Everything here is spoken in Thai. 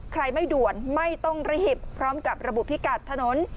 ไม่ด่วนไม่ต้องระหิบพร้อมกับระบุพิกัดถนน